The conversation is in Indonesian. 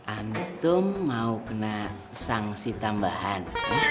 antum mau kena sanksi tambahan